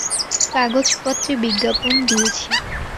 কাগজপত্রে বিজ্ঞাপন দিয়েছি।